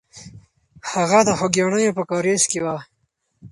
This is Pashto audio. هغه د خوګیاڼیو په کارېز کې وه.